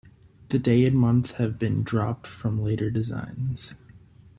The day and month have been dropped from later designs.